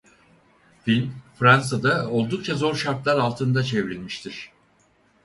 Film Fransa'da oldukça zor şartlar altında çevrilmiştir.